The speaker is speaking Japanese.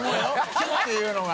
ひょっ」ていうのが。